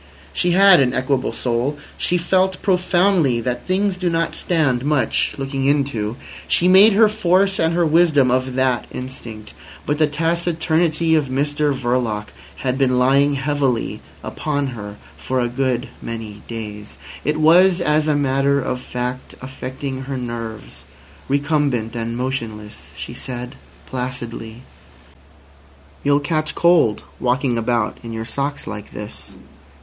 She had an equable soul. She felt profoundly that things do not stand much looking into. She made her force and her wisdom of that instinct. But the taciturnity of Mr Verloc had been lying heavily upon her for a good many days. It was, as a matter of fact, affecting her nerves. Recumbent and motionless, she said placidly: "You'll catch cold walking about in your socks like this."